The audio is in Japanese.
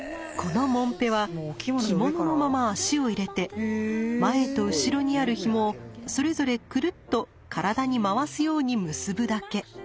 このもんぺは着物のまま足をいれて前と後ろにある紐をそれぞれくるっと体に回すように結ぶだけ。